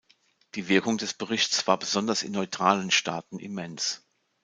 Die Wirkung des Berichts war besonders in neutralen Staaten immens.